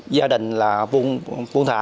gia đình là vun thả